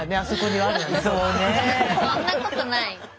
そんなことないよ。